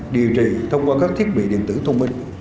điều trị thông qua các thiết bị điện tử thông minh